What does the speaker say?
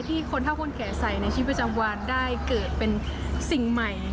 คนเท่าคนแก่ใส่ในชีวิตประจำวันได้เกิดเป็นสิ่งใหม่